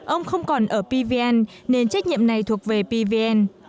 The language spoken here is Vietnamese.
ông không còn ở pvn nên trách nhiệm này thuộc về pvn